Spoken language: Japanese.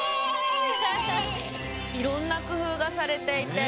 いろんなくふうがされていて。